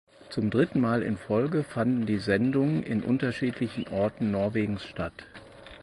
Zum dritten Mal in Folge fanden die Sendungen in unterschiedlichen Orten Norwegens statt.